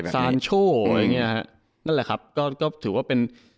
สานโช่อย่างเนี่ย